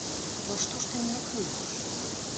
Нашто ж ты мяне крыўдзіш?